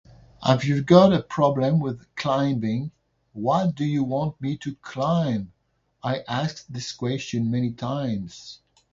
If you've got a problem with climbing, what do you want me to climb? I asked this question many times.